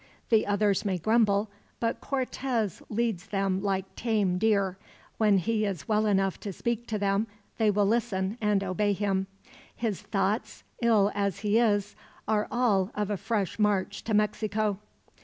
The others may grumble, but Cortez leads them like tame deer. When he is well enough to speak to them, they will listen and obey him. His thoughts, ill as he is, are all of a fresh march to Mexico."